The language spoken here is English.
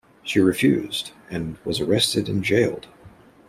She refused, and was arrested and jailed.